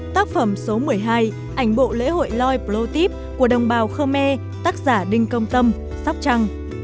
tác phẩm số một mươi hai ảnh bộ lễ hội loi protep của đồng bào khơ me tác giả đinh công tâm sóc trăng